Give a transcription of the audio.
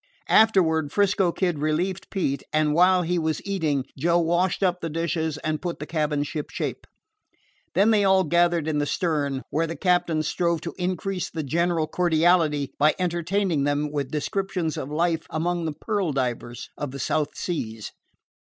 Afterward 'Frisco Kid relieved Pete, and while he was eating Joe washed up the dishes and put the cabin shipshape. Then they all gathered in the stern, where the captain strove to increase the general cordiality by entertaining them with descriptions of life among the pearl divers of the South Seas.